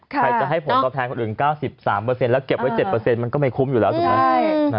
ใครจะให้ผลตอบแทนคนอื่น๙๓แล้วเก็บไว้๗มันก็ไม่คุ้มอยู่แล้วถูกไหม